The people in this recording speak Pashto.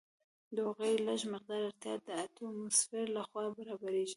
د هغوی لږ مقدار اړتیا د اټموسفیر لخوا برابریږي.